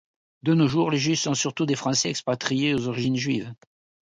De nos jours, les Juifs sont surtout des Français expatriés aux origines juives.